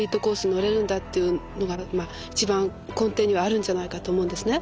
乗れるんだっていうのが一番根底にはあるんじゃないかと思うんですね。